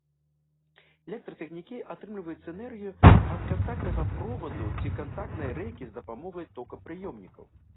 Электрацягнікі атрымліваюць энергію ад кантактнага проваду ці кантактнай рэйкі з дапамогай токапрыёмнікаў.